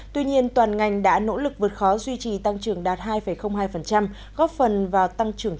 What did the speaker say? tuy nhiên toàn ngành đã nỗ lực vượt khó duy trì tăng trưởng đạt hai hai góp phần vào tăng trưởng